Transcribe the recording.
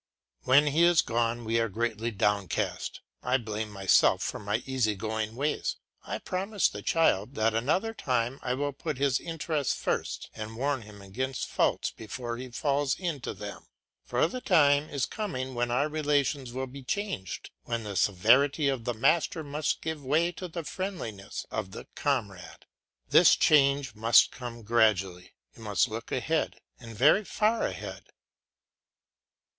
When he is gone we are greatly downcast. I blame myself for my easy going ways. I promise the child that another time I will put his interests first and warn him against faults before he falls into them, for the time is coming when our relations will be changed, when the severity of the master must give way to the friendliness of the comrade; this change must come gradually, you must look ahead, and very far ahead.